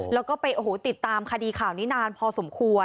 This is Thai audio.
แล้วก็ไปโอ้โหติดตามคดีข่าวนี้นานพอสมควร